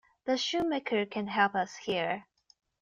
The shoemaker can help us here.